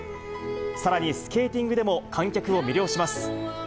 さらに、スケーティングでも観客を魅了します。